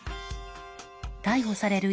逮捕される